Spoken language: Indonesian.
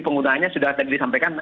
penggunaannya sudah tadi disampaikan